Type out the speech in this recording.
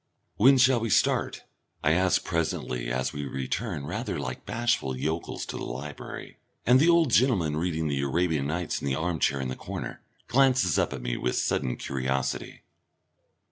"When shall we start?" I ask presently, as we return, rather like bashful yokels, to the library, and the old gentleman reading the Arabian Nights in the armchair in the corner glances up at me with a sudden curiosity.